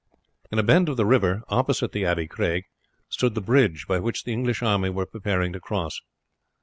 In a bend of the river, opposite the Abbey Craig, stood the bridge by which the English army were preparing to cross.